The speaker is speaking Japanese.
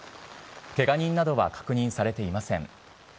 けが人などは確認されていません。